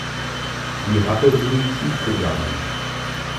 Sie hatte Suizid begangen.